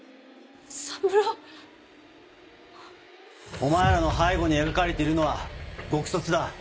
お前らの背後に描かれているのは「獄卒」だ。